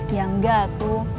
ya enggak tuh